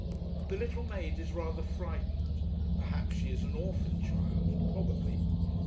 The little maid is rather frightened. Perhaps she is an orphan child probably.